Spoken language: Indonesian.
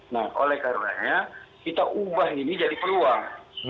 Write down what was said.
nah oleh karenanya kita ubah ini jadi peluang